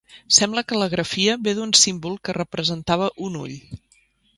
Sembla que la grafia ve d'un símbol que representava un ull.